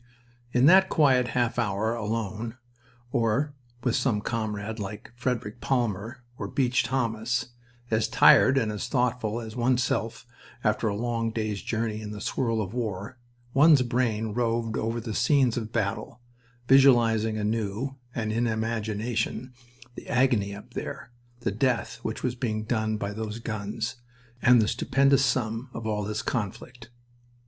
In that quiet half hour, alone, or with some comrade, like Frederic Palmer or Beach Thomas, as tired and as thoughtful as oneself after a long day's journeying in the swirl of war, one's brain roved over the scenes of battle, visualizing anew, and in imagination, the agony up there, the death which was being done by those guns, and the stupendous sum of all this conflict.